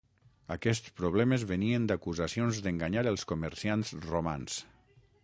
Aquests problemes venien d'acusacions d'enganyar els comerciants romans.